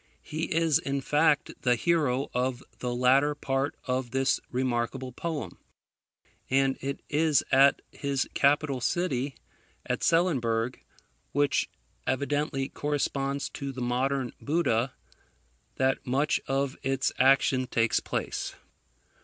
He is, in fact, the hero of the latter part of this remarkable poem; and it is at his capital city, Etselenburgh, which evidently corresponds to the modern Buda, that much of its action takes place.